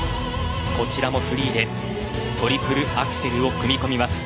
こちらもフリーでトリプルアクセルを組み込みます。